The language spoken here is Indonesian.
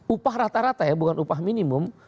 upah rata rata ya bukan upah minimum